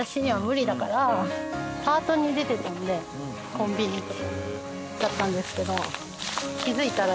コンビニとかだったんですけど。